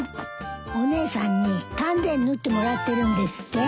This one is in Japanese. お姉さんに丹前縫ってもらってるんですって？